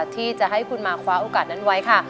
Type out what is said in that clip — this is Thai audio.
เข้ามาคว้าโอกาสนั้นไว้ค่ะ